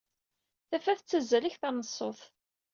Tafat tettazzal akteṛ n ṣṣut.